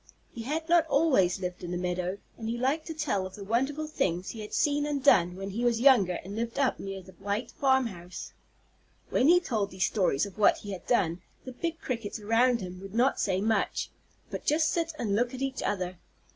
He had not always lived in the meadow, and he liked to tell of the wonderful things he had seen and done when he was younger and lived up near the white farm house. When he told these stories of what he had done, the big Crickets around him would not say much, but just sit and look at each other.